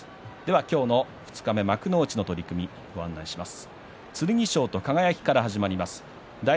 今日、二日目幕内の取組をご案内します。